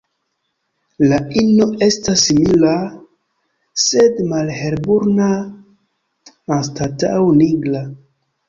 La ino estas simila, sed malhelbruna anstataŭ nigra.